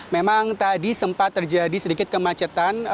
memang tadi sempat terjadi sedikit kemacetan